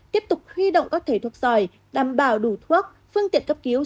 tiếp tục huy động các thể thuốc giỏi đảm bảo đủ thuốc phương tiện cấp cứu